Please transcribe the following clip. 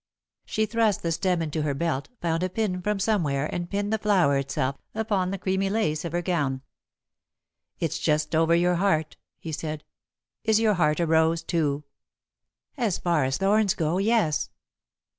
She thrust the stem into her belt, found a pin from somewhere, and pinned the flower itself upon the creamy lace of her gown. "It's just over your heart," he said. "Is your heart a rose too?" "As far as thorns go, yes."